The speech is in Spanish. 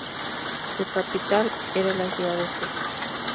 Su capital era la ciudad de Fez.